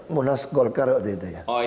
munas golkar waktu itu ya